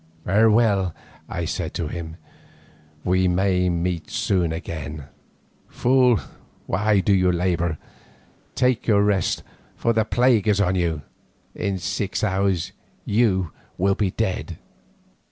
"Farewell," I said to him, "we may soon meet again. Fool, why do you labour? Take your rest, for the plague is on you. In six hours you will be dead!"